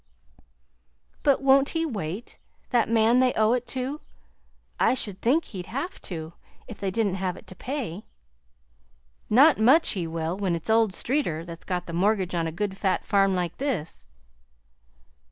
"But won't he wait? that man they owe it to? I should think he'd have to, if they didn't have it to pay." "Not much he will, when it's old Streeter that's got the mortgage on a good fat farm like this!"